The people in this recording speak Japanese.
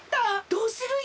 どうするよ？